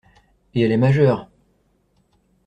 Et elle est majeure !